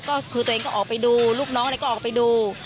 ก็คือตัวเองก็ออกไปดูลูกน้องอะไรก็ออกไปดู